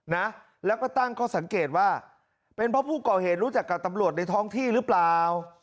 นะแล้วก็ตั้งข้อสังเกตว่าเป็นเพราะผู้ก่อเหตุรู้จักกับตำรวจในท้องที่หรือเปล่า